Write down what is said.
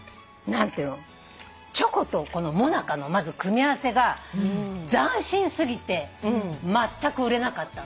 チョコともなかの組み合わせが斬新すぎてまったく売れなかったの。